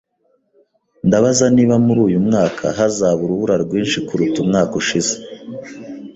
Ndabaza niba muri uyu mwaka hazaba urubura rwinshi kuruta umwaka ushize.